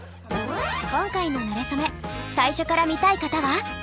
今回のなれそめ最初から見たい方は。